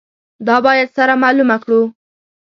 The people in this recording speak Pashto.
دا باید سره معلومه کړو.